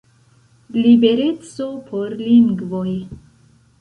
Libereco por lingvoj!